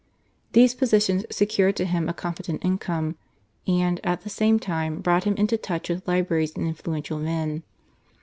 These positions secured to him a competent income, and, at the same time, brought him into touch with libraries and influential men.